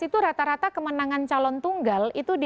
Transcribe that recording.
dua ribu tujuh belas itu rata rata kemenangan calon tunggal itu berarti